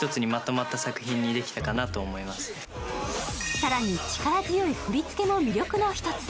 更に、力強い振り付けも魅力の一つ。